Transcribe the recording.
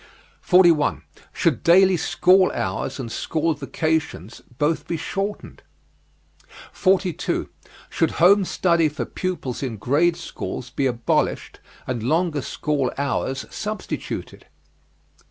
41. Should daily school hours and school vacations both be shortened? 42. Should home study for pupils in grade schools be abolished and longer school hours substituted?